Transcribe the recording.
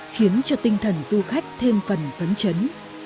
khiến cho tinh thần du khách thêm phần vấn chấn